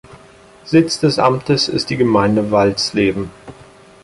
Sitz des Amtes ist die Gemeinde Walsleben.